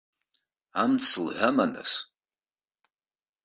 Амц лҳәама нас?